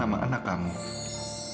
sampai jumpa di video selanjutnya